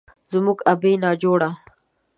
زموږ ابۍ ناجوړه،